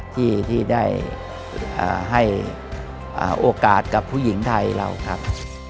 ที่ได้ให้โอกาสกับผู้หญิงไทยเราครับ